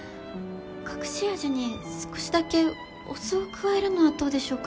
隠し味に少しだけお酢を加えるのはどうでしょうか？